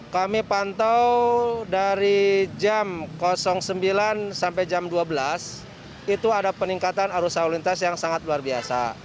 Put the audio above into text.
kami pantau dari jam sembilan sampai jam dua belas itu ada peningkatan arus lalu lintas yang sangat luar biasa